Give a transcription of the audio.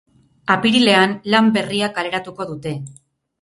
Apirilean lan berria kaleratuko dute.